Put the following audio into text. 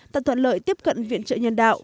tập thuận lợi tiếp cận viện trợ nhân đạo